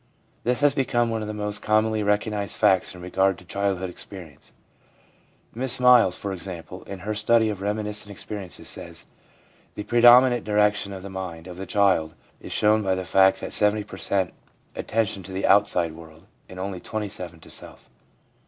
This has become one of the most commonly recognised facts in regard to childhood experience. Miss Miles, for example, in her study of reminiscent experiences, says : 1 The predominant direction of the mind of the child is shown by the fact that 70 show attention to the outside world, and only 27 to self.